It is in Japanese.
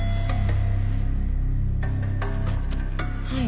・はい。